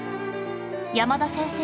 山田先生